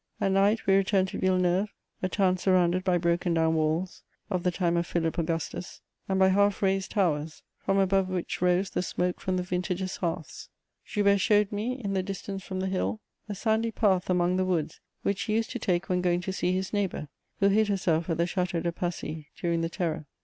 At night we returned to Villeneuve, a town surrounded by broken down walls, of the time of Philip Augustus, and by half razed towers, from above which rose the smoke from the vintagers' hearths. Joubert showed me, in the distance from the hill, a sandy path among the woods which he used to take when going to see his neighbour, who hid herself at the Château de Passy during the Terror.